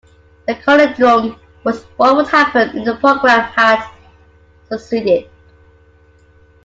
The conundrum was what would happen if the program had succeeded.